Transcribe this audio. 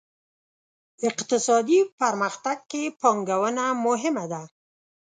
اقتصادي پرمختګ کې پانګونه مهمه ده.